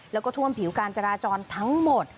แล้วก็ท่วมผิวการจราจรทั้งหมด